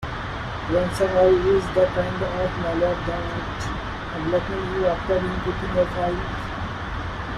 Ransomware is the kind of malware that blackmails you after encrypting your files.